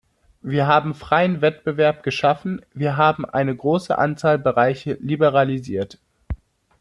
Wir haben freien Wettbewerb geschaffen, wir haben eine große Anzahl Bereiche liberalisiert.